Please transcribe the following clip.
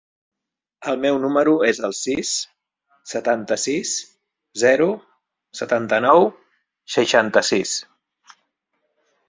El meu número es el sis, setanta-sis, zero, setanta-nou, seixanta-sis.